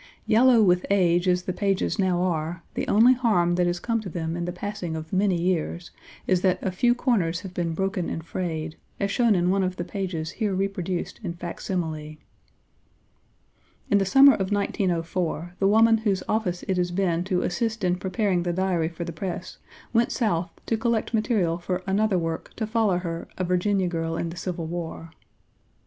Yellow with age as the pages now are, the only harm that has come to them in the passing of many years, is that a few corners have been broken and frayed, as shown in one of the pages here reproduced in facsimile. In the summer of 1904, the woman whose office it has been to assist in preparing the Diary for the press, went South to collect material for another work to follow her A Virginia Girl in the Civil War.